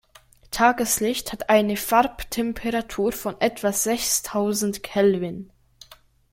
Tageslicht hat eine Farbtemperatur von etwa sechstausend Kelvin.